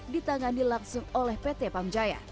ditangani langsung oleh pt pam jaya